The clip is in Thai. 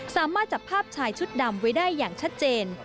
สามารถจับภาพชายชุดดำไว้ได้อย่างชัดเจน